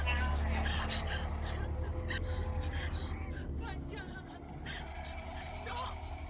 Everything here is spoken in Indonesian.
entahlah apa yang telah kalian lakukan